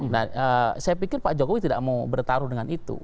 nah saya pikir pak jokowi tidak mau bertaruh dengan itu